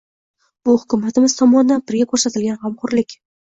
Bu hukumatimiz tomonidan bizga ko‘rsatilgan g‘amxo‘rlik.